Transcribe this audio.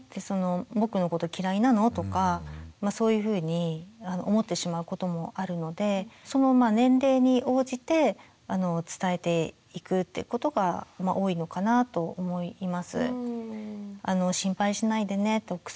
「僕のこと嫌いなの？」とかそういうふうに思ってしまうこともあるのでその年齢に応じて伝えていくってことが多いのかなと思います。